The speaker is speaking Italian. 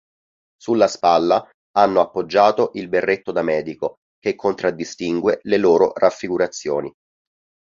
Sulla spalla hanno appoggiato il berretto da medico che contraddistingue le loro raffigurazioni.